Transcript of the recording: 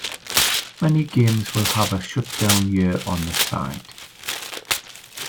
Many games will have a shutdown year on the side.